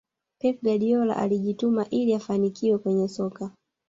pep guardiola alijituma ili afanikiwe kwenye soka